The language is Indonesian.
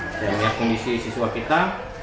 sebenarnya kondisi siswa kita